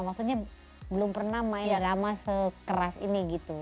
maksudnya belum pernah main drama sekeras ini gitu